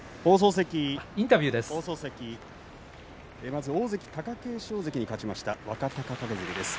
まず大関貴景勝関に勝ちました若隆景関です。